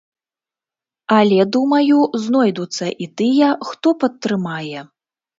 Але, думаю, знойдуцца і тыя, хто падтрымае.